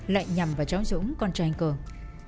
lại nhằm vào cháu dũng con trai anh cường